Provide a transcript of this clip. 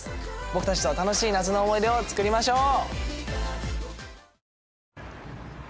僕たちと楽しい夏の思い出を作りましょう！